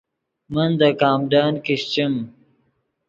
من دے کامڈن کیشچیم